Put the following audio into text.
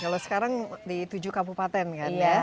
kalau sekarang di tujuh kabupaten kan ya